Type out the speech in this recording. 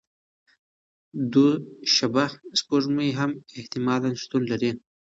دوه شبح سپوږمۍ هم احتمالاً شتون لري.